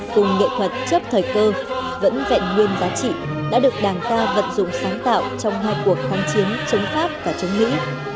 cùng nghệ thuật trước thời cơ vẫn vẹn nguyên giá trị đã được đảng ta vận dụng sáng tạo trong hai cuộc kháng chiến chống pháp và chống mỹ